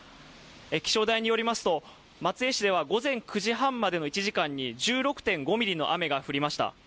気象台によりますと松江市では午前９時半までの１時間に１６．５ミリの雨が降りました。